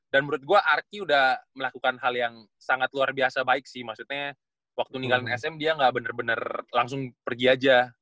dan menurut gue arki udah melakukan hal yang sangat luar biasa baik sih maksudnya waktu ninggalin sm dia gak bener bener langsung pergi aja